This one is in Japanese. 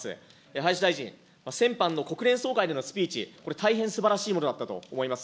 林大臣、先般の国連総会でのスピーチ、これ、大変すばらしいものだったと思います。